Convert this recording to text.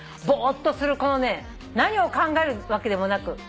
ボーッとするこのね何を考えるわけでもなく。